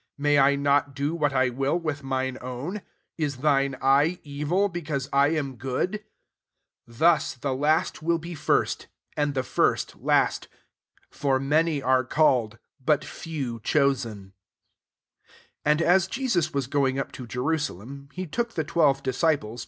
15 May I not do what I will with mine own ? Is thhie eye evil, because I am good?' 16 Thus, the last will be first, and the first last: for many are called, but few cho sen/' IT And as Jesus was going up to Jerusalem, he took the ^¥elve [[disciples!